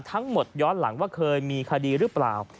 ย้อนหลังว่าเคยมีคดีหรือเปล่า